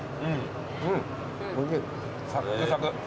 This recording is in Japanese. サックサク。